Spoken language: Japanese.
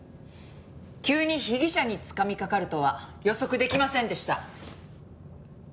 急に被疑者につかみかかるとは予測できませんでした。